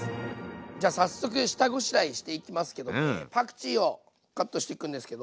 じゃあ早速下ごしらえしていきますけどもねパクチーをカットしていくんですけど。